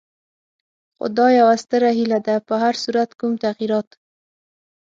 خو دا یوه ستره هیله ده، په هر صورت کوم تغیرات.